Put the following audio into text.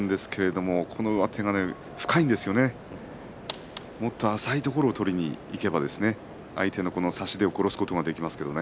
もっと浅いところを取りにいけば相手の差し手を殺すことができますね。